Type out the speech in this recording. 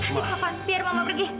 masih taufan biarin mama pergi